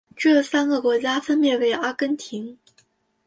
这三个国家分别为阿根廷。